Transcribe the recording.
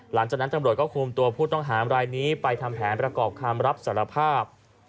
หลังจากนั้นตำรวจก็คุมตัวผู้ต้องหามรายนี้ไปทำแผนประกอบคำรับสารภาพ